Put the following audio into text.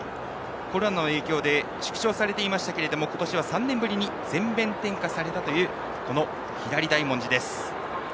コロナの影響で縮小されていましたが今年は３年ぶりに全面点火された左大文字です。